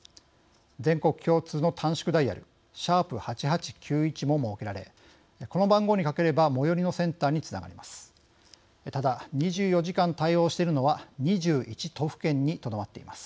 全国共通の短縮ダイヤル「＃８８９１」も設けられこの番号にかければ最寄りのセンターにつながります。